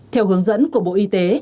theo hướng dẫn của bộ y tế